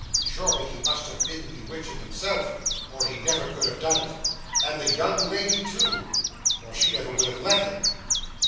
Surely he must have been bewitched himself, or he never could have done it—and the young lady too, or she never would have let him.